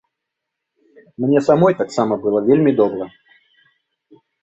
Мне самой таксама было вельмі добра.